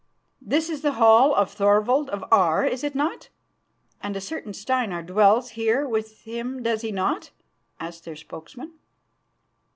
"This is the hall of Thorvald of Aar, is it not? And a certain Steinar dwells here with him, does he not?" asked their spokesman.